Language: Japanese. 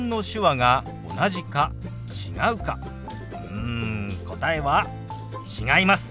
うん答えは違います。